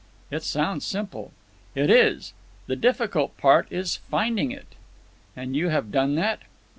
"It sounds simple." "It is. The difficult part is finding it." "And you have done that?"